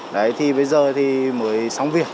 đấy thì bây giờ mới xong việc